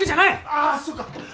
あっそっか。